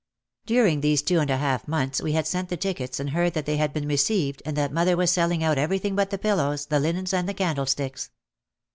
During these two and a half months we had sent the tickets and heard that they had been received and that mother was selling out everything but the pillows, the linens and the candlesticks.